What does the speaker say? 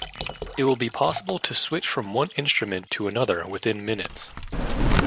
It will be possible to switch from one instrument to another within minutes.